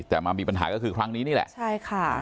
แต่มามีปัญหาก็คือครั้งนี้นี่แหละใช่ค่ะ